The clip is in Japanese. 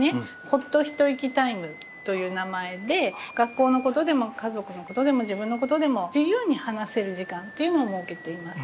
ほっと一息タイムという名前で、学校のことでも家族のことでも自分のことでも自由に話せる時間というのを設けています。